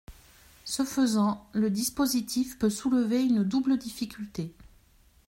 Ce faisant, le dispositif peut soulever une double difficulté.